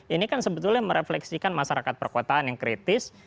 ini kan sebetulnya merefleksikan masyarakat perkotaan yang kritis